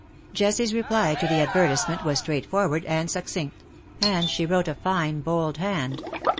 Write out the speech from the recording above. Jessie's reply to the advertisement was straight forward and succinct, and she wrote a fine bold hand.